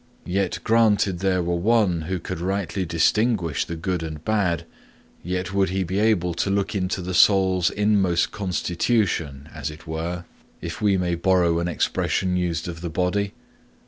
Yet granted there were one who could rightly distinguish the good and bad, yet would he be able to look into the soul's inmost constitution, as it were, if we may borrow an expression used of the body?